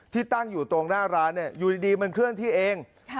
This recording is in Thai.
ที่ตั้งอยู่ตรงหน้าร้านอยู่ดีมันเคลื่อนที่เอง